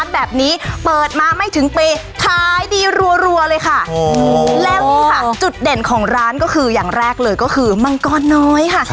เด่นของร้านก็คืออย่างแรกเลยก็คือมังกรน้อยค่ะ